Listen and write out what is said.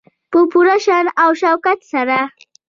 په پوره شان او شوکت سره.